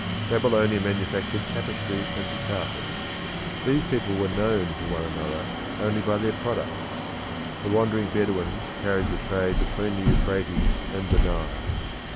Babylonia manufactured tapestry and carpets. These people were known to one another only by their products; the wandering Bedouins carried the trade between the Euphrates and the Nile.